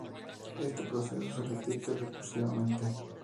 Este proceso se repite recursivamente.